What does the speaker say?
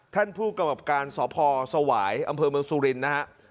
ท่านผู้กำกับการสพสวายอำเภอเมืองสุรินทร์นะฮะ